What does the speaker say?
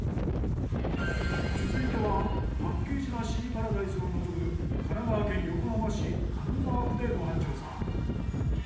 続いては八景島シーパラダイスを望む神奈川県横浜市金沢区でご飯調査。